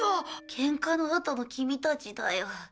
ケンカのあとのキミたちだよ。